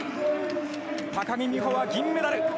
高木美帆は銀メダル。